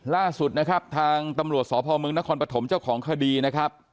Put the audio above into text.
ล่าสุดนะครับทางตำรวจสพมนครปฐมเจ้าของคดีนะครับ